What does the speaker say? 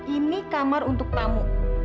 ini kamar untuk tamu